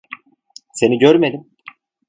Seni görmedim.